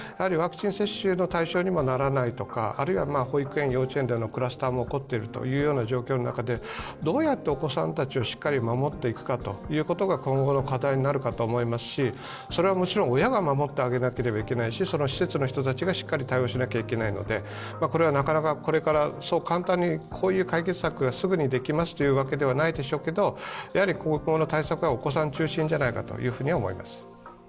ワクチン接種の対象にもならないとかあるいは保育園、幼稚園ではクラスターも起こっている状況の中で、どうやってお子さんたちをしっかり守っていくかが今後の課題になるかと思いますしそれはもちろん親が守ってあげなきゃいけないし、その施設の人たちがしっかり対応しなければいけないのでこれはなかなか、これからそう簡単にこういう解決策がすぐにできるというわけではないでしょうけど今後の対策はお子さん中心ではないかと思います。